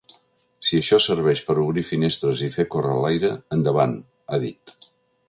Si això serveix per obrir finestres i fer córrer l’aire, endavant, ha dit.